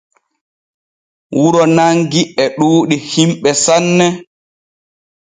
Wuro Nangi e ɗuuɗi himɓe sanne.